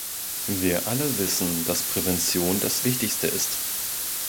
Wir alle wissen, dass Prävention das Wichtigste ist.